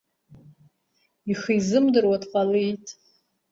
Ихы изымдыруа дҟалеит.